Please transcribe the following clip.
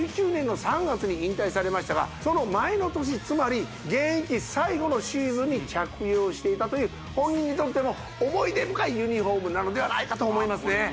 されましたがその前の年つまり現役最後のシーズンに着用していたという本人にとっても思い出深いユニフォームなのではないかと思います